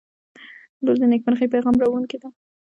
• لور د نیکمرغۍ پیغام راوړونکې ده.